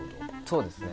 そうですね